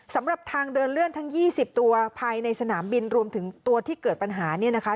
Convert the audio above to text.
สำหรับทางเดินเลื่อนทั้ง๒๐ตัวภายในสนามบินรวมถึงตัวที่เกิดปัญหาเนี่ยนะคะ